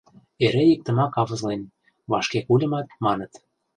Эре иктымак авызлен, вашке кульымат, маныт.